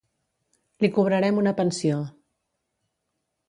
Li cobrarem una pensió.